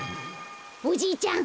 おじいちゃん